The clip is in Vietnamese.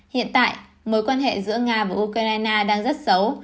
hiện tại mối quan hệ giữa nga và ukraine đang rất xấu